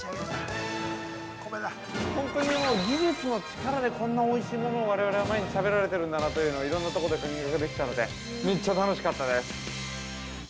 本当にもう、技術の力でこんなおいしいものをわれわれは毎日食べられてるんだなというのをいろんなところで確認ができたのでめっちゃ楽しかったです。